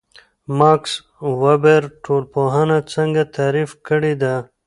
ماکس وِبر ټولنپوهنه څنګه تعریف کړې ده؟